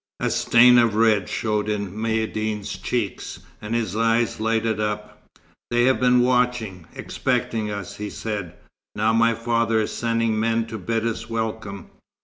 A stain of red showed in Maïeddine's cheeks, and his eyes lighted up. "They have been watching, expecting us," he said. "Now my father is sending men to bid us welcome."